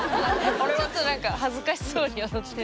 ちょっと何か恥ずかしそうに踊ってる。